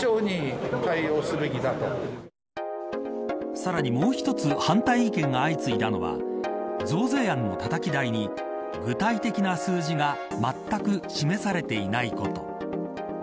さらにもう一つ反対意見が相次いだのは増税案のたたき台に具体的な数字がまったく示されていないこと。